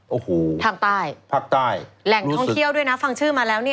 โอ้โหภาคใต้แหล่งท้องเที่ยวด้วยนะฟังชื่อมาแล้ว